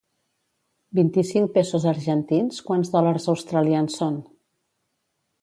Vint-i-cinc pesos argentins quants dòlars australians són?